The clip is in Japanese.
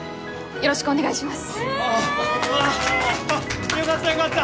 よろしくお願いします。